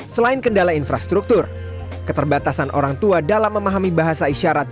selain kendala infrastruktur keterbatasan orang tua dalam memahami bahasa isyarat